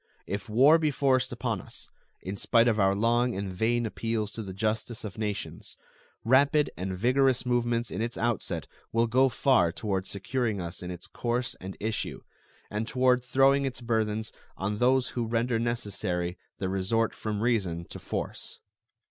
If war be forced upon us, in spite of our long and vain appeals to the justice of nations, rapid and vigorous movements in its outset will go far toward securing us in its course and issue, and toward throwing its burthens on those who render necessary the resort from reason to force.